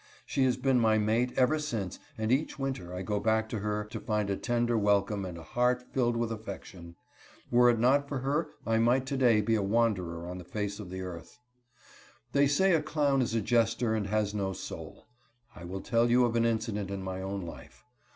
She has been my mate ever since, and each winter I go back to her to find a tender welcome and a heart filled with affection. Were it not for her I might to day be a wanderer on the face of the earth. They say a clown is a jester and has no soul. I will tell you of an incident in my own life.